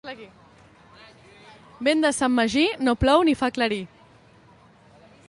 Vent de Sant Magí no plou ni fa aclarir.